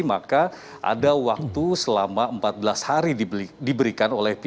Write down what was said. maka ada waktu selama empat belas hari diberikan oleh pihak